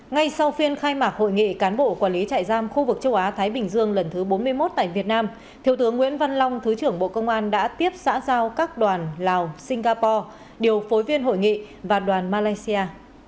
ngay sau phiên khai mạc hội nghị cán bộ quản lý trại giam khu vực châu á thái bình dương lần thứ bốn mươi một tại việt nam thiếu tướng nguyễn văn long thứ trưởng bộ công an đã tiếp xã giao các đoàn lào singapore điều phối viên hội nghị và đoàn malaysia